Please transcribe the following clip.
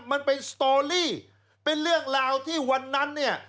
มันเป็นสตอรี่เป็นเรื่องราวที่วันนั้นเนี่ย